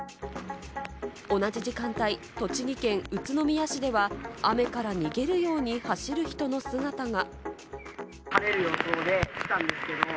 同じ時間帯、栃木県宇都宮市では雨から逃げるように走る人の姿が。